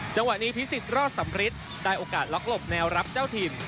จังหวะนี้พิสิทธิรอดสำริทได้โอกาสล็อกหลบแนวรับเจ้าถิ่น